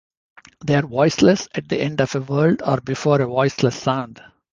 They are voiceless at the end of a word or before a voiceless sound.